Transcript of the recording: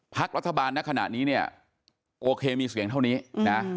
พักรัฐบาลณขณะนี้เนี่ยโอเคมีเสียงเท่านี้นะ